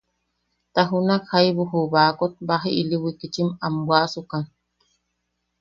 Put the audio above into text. Ta junak jaibu ju baakot baji ili wikitchim am bwaʼasukan.